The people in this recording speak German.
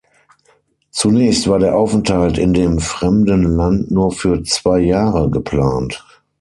Zunächst war der Aufenthalt in dem fremden Land nur für zwei Jahre geplant.